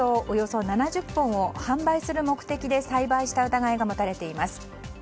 およそ７０本を販売する目的で栽培した疑いが持たれています。